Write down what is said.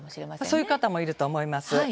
そういう方もいると思います。